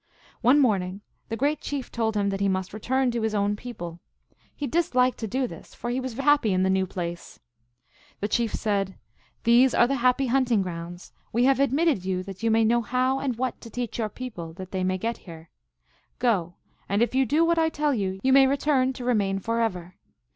One morning the Great Chief told him that he must return to his own people. He dis liked to do this, for he was very happy in the new 202 THE ALGONQUIN LEGENDS. place. The Chief said, " These are the happy hunt ing grounds. We have admitted you that you may know how and what to teach your people, that they may get here. Go, and if you do what I tell you, you may return to remain forever.